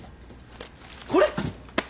これ！